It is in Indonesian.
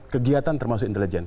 kegiatan termasuk intelijen